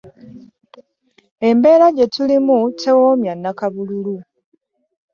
Embeera gye tulimu tewoomya nakabululu.